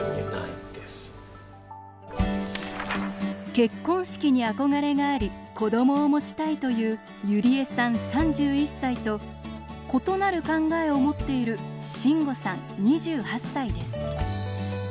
結婚式に憧れがあり子どもを持ちたいというゆりえさん、３１歳と異なる考えを持っているしんごさん、２８歳です。